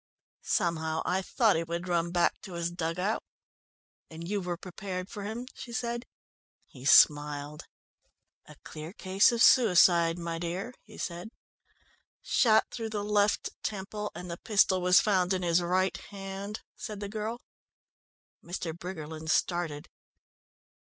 Somehow I thought he would run back to his dug out." "And you were prepared for him?" she said. He smiled. "A clear case of suicide, my dear," he said. "Shot through the left temple, and the pistol was found in his right hand," said the girl. Mr. Briggerland started.